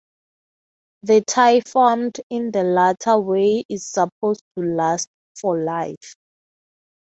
The tie formed in the latter way is supposed to last for life.